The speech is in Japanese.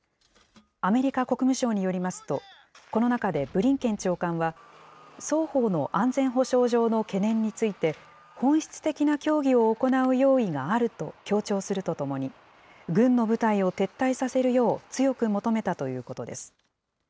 アメリカ国務省によりますと、この中でブリンケン長官は、双方の安全保障上の懸念について、本質的な協議を行う用意があると強調するとともに、軍の部隊を撤退させるよう強く求めたということです。